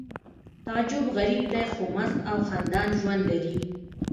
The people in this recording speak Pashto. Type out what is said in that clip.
تعجب غریب دی خو مست او خندان ژوند لري